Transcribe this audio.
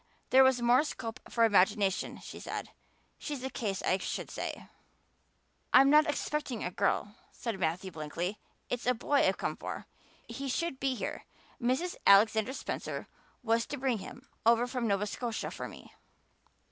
'There was more scope for imagination,' she said. She's a case, I should say." "I'm not expecting a girl," said Matthew blankly. "It's a boy I've come for. He should be here. Mrs. Alexander Spencer was to bring him over from Nova Scotia for me."